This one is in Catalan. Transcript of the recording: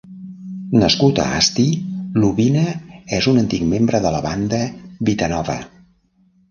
Nascut a Asti, Lobina és un antic membre de la banda Vitanova.